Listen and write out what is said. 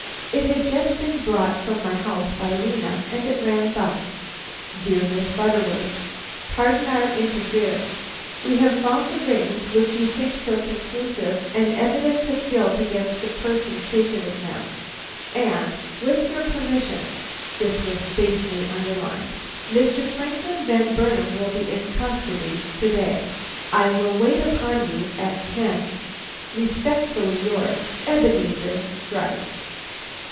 It had just been brought from my house by Lena, and it ran thus: "DEAR MISS BUTTERWORTH: "Pardon our interference. We have found the rings which you think so conclusive an evidence of guilt against the person secreting them; and, with your permission [this was basely underlined], Mr. Franklin Van Burnam will be in custody to day. "I will wait upon you at ten. "Respectfully yours, "EBENEZAR GRYCE."